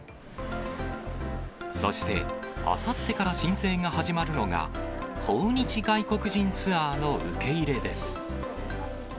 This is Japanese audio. そして、あさってから申請が始まるのが、訪日外国人ツアーの受け入れです。